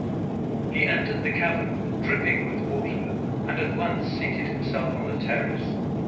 He entered the cavern dripping with water, and at once seated himself on the terrace.